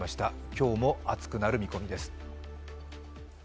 今日も暑くなる見込みです。